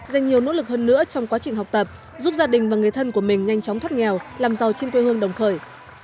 dành nhiều nỗ lực hơn nữa trong quá trình học tập giúp gia đình và người thân của mình nhanh chóng thoát nghèo làm giàu trên quê hương đồng khởi